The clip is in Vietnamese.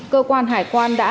cơ quan hải quan đã xử lý